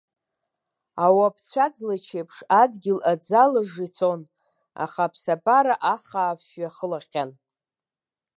Ауапцәа ӡылач еиԥш адгьыл аӡы алжжы ицон, аха аԥсабара ахаафҩы ахылахьан.